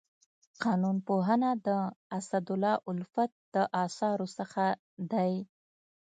قانون پوهنه د اسدالله الفت د اثارو څخه دی.